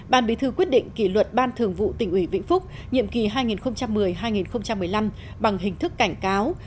ban bí thư quyết định kỷ luật ban thường vụ tỉnh ủy vĩnh phúc nhiệm kỳ hai nghìn một mươi hai nghìn một mươi năm bằng hình thức cảnh cáo